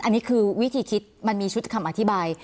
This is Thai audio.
อันนี้คือวิธีคิดมันมีชุดคำอธิบาย